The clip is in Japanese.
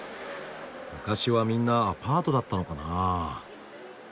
昔はみんなアパートだったのかな？